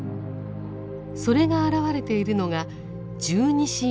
それが表れているのが「十二支縁起」。